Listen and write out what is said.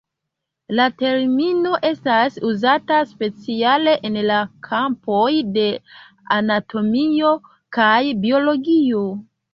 La termino estas uzata speciale en la kampoj de anatomio kaj biologio.